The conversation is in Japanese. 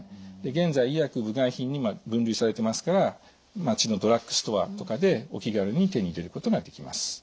現在医薬部外品に分類されてますから町のドラッグストアとかでお気軽に手に入れることができます。